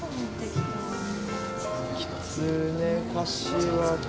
きつねかしわ天。